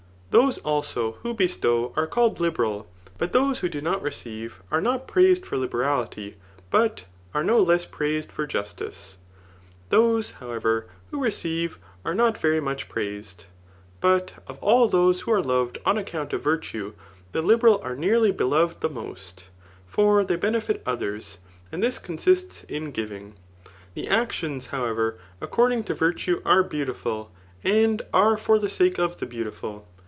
Those, aIso> who bestow »re called liberal ; but those who do not recave, are not praised for liberality, but 9xe no less praised for; jwtke. Those, however, who receive, are not very much pcaised. But of all those wbo are loved on, account of virtue, the' liberal are nearly beloved the most ; for they benefit others ; and this consists in giving* The acdons^ however, according to virtue are beautiful, and are for tbe eake of the beautiftil.